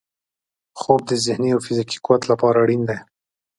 خوب د ذهني او فزیکي قوت لپاره اړین دی